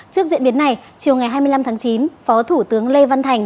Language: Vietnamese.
trước diễn biến này chiều ngày hai mươi năm tháng chín phó thủ tướng lê văn thành